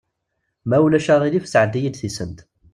Ma ulac aɣilif sɛeddi-yi-d tisent.